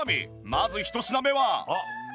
まず１品目は